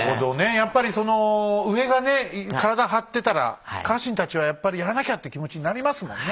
やっぱりその上がね体張ってたら家臣たちはやっぱりやらなきゃって気持ちになりますもんね。